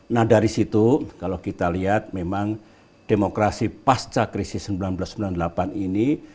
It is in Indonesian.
nah dari situ kalau kita lihat memang demokrasi pasca krisis seribu sembilan ratus sembilan puluh delapan ini